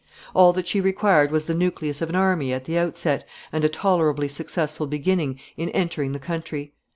All that she required was the nucleus of an army at the outset, and a tolerably successful beginning in entering the country.